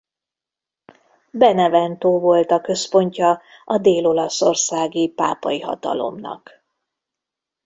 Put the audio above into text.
Benevento volt a központja a dél-olaszországi pápai hatalomnak.